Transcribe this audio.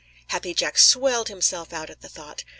Happy Jack swelled himself out at the thought.